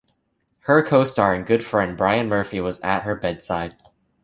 Her co-star and good friend Brian Murphy was at her bedside.